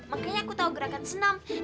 makanya aku tahu gerakan senam